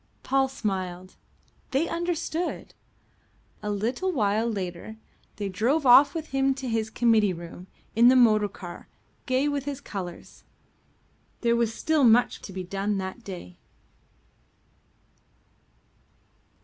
Paul smiled. They understood. A little while later they drove off with him to his committee room in the motor car gay with his colours. There was still much to be done that day.